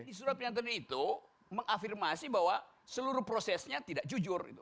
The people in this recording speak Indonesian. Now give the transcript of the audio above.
di surat pernyataan itu mengafirmasi bahwa seluruh prosesnya tidak jujur